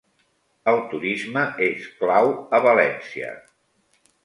El turisme és clau a València